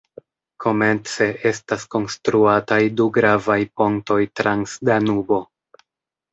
Komence estas konstruataj du gravaj pontoj trans Danubo.